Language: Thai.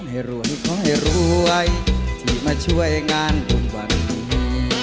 ขอให้รวยขอให้รวยที่มาช่วยงานบุญบันนี้